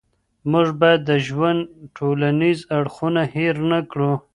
موږ باید د ژوند ټولنیز اړخونه هېر نه کړو.